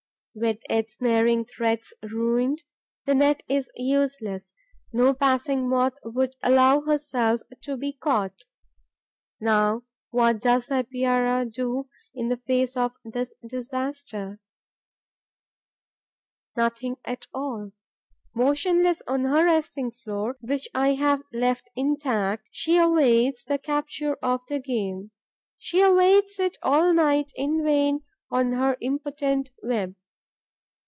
With its snaring threads ruined, the net is useless; no passing Moth would allow herself to be caught. Now what does the Epeira do in the face of this disaster? Nothing at all. Motionless on her resting floor, which I have left intact, she awaits the capture of the game; she awaits it all night in vain on her impotent web.